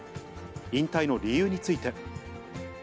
引退の理由について。